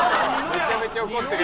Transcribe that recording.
めちゃめちゃ怒ってる。